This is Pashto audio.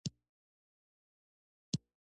ایا دلته هوټل شته؟